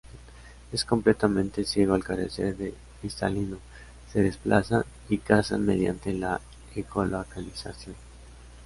Es completamente ciego al carecer de cristalino, se desplazan y cazan mediante la ecolocalización.